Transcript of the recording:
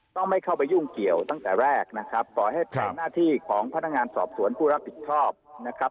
ต้องไม่เข้าไปยุ่งเกี่ยวตั้งแต่แรกนะครับปล่อยให้เป็นหน้าที่ของพนักงานสอบสวนผู้รับผิดชอบนะครับ